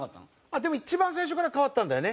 でも一番最初から変わったんだよね。